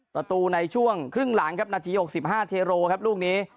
ประตูในช่วงครึ่งหลังครับนาที๖๕เทโรครับลูกนี้